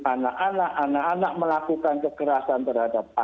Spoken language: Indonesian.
anak anak melakukan kekerasan terhadap mereka